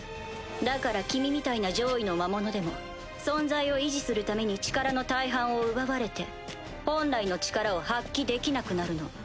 だから君みたいな上位の魔物でも存在を維持するために力の大半を奪われて本来の力を発揮できなくなるの。